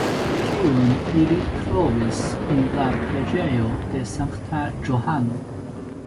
Tiun ili trovis en la preĝejo de Sankta Johano.